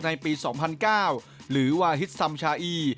ในปี๒๐๐๙หรือวาฮิตซัมชาอี